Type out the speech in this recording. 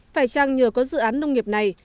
phải chăng nhờ có dự án nông nghiệp này